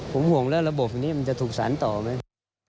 ผมห่วงแล้วระบบอย่างนี้มันจะถูกสารต่อไหม